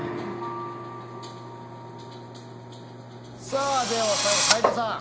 さあでは最後斎藤さん